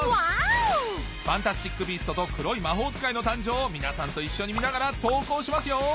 『ファンタスティック・ビーストと黒い魔法使いの誕生』を皆さんと一緒に見ながら投稿しますよ！